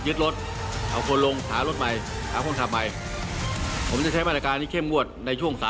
สวัสดีค่ะคุณผู้ชมค่ะแนวคิดที่ออกมาจากนายกกฎมตรีนั้นก็คงต้องพยายามทำให้เกิดขึ้นได้จริงนะคะ